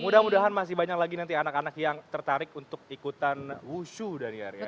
mudah mudahan masih banyak lagi nanti anak anak yang tertarik untuk ikutan wushu daniar ya